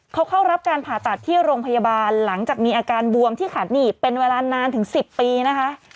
เขาเข้ารับการผ่าตัดที่โรงพยาบาลหลังจากมีอาการบวมที่ขาดหนีบเป็นเวลานานถึง๑๐ปีนะคะ